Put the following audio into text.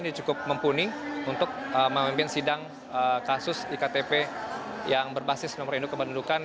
dia cukup mempunyai untuk memimpin sidang kasus iktp yang berbasis nomor induk kebenedukan